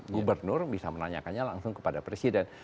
gubernur bisa menanyakannya langsung kepada presiden